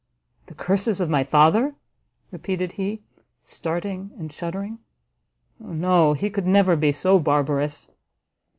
"The curses of my father!" repeated he, starting and shuddering, "O no, he could never be so barbarous!"